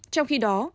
trong khi đó